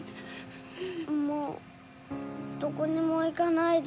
もうどこにも行かないで。